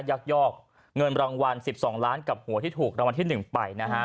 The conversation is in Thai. ยักยอกเงินรางวัล๑๒ล้านกับหัวที่ถูกรางวัลที่๑ไปนะฮะ